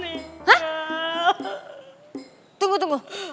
hah tunggu tunggu